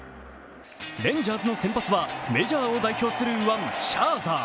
レンジャーズの先発はメジャーを代表する右腕、シャーザー。